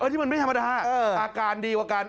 ที่มันไม่ธรรมดาอาการดีกว่ากัน